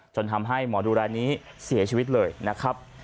จนทำให้หมอดูรายนี้เสียชีวิตเลยนะครับ